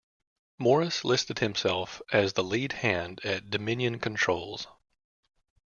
Morris listed himself as the lead hand at Dominion Controls.